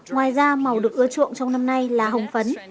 ngoài ra màu được ưa chuộng trong năm nay là hồng phấn